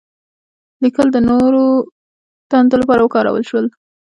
لیکل د نوو دندو لپاره وکارول شول.